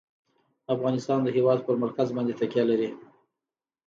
افغانستان د هېواد پر مرکز باندې تکیه لري.